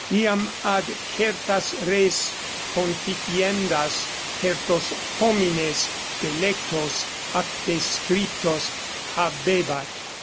Iam ad certas res conficiendas certos homines delectos ac descriptos habebat.